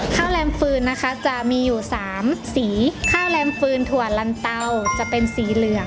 โรงแรมฟืนนะคะจะมีอยู่๓สีข้าวแรมฟืนถั่วลันเตาจะเป็นสีเหลือง